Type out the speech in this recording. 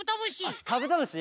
あカブトムシ！